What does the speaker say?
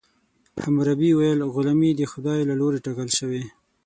حموربي ویل غلامي د خدای له لورې ټاکل شوې.